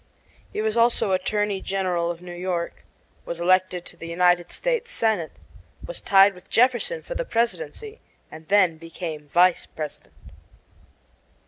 He was also attorney general of New York, was elected to the United States Senate, was tied with Jefferson for the Presidency, and then became Vice President.